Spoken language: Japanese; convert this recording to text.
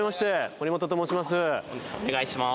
森本と申します。